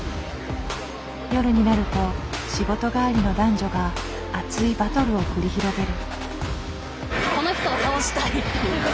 夜になると仕事帰りの男女が熱いバトルを繰り広げる。